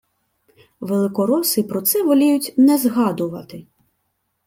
Великороси про це воліють не згадувати